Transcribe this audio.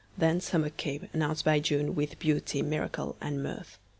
Then summer came, announced by June, With beauty, miracle and mirth.